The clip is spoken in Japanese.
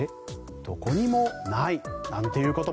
どこにもないなんていうことも。